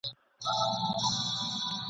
ږغ اوچت کړی دی !.